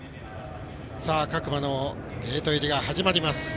各馬のゲート入りが始まります。